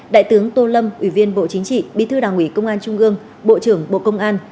đại tướng tô lâm ủy viên bộ chính trị bí thư đảng ủy công an trung gương bộ trưởng bộ công an